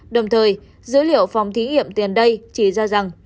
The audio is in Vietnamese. đồng thời dữ liệu phòng thí nghiệm tiền đây chỉ ra rằng